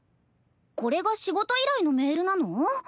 これが仕事依頼のメールなの？